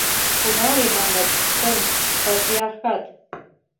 Кунаре маныт: чын — патриархат